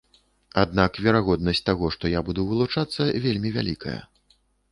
Аднак верагоднасць таго, што я буду вылучацца вельмі вялікая.